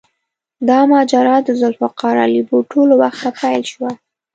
دا ماجرا د ذوالفقار علي بوټو له وخته پیل شوه.